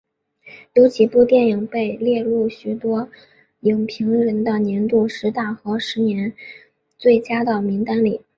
有几部电影被列入许多影评人的年度十大和十年最佳的名单里。